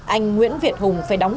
anh nguyễn việt hùng phải đóng